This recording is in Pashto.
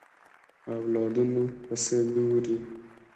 اولادونو پسې ګوري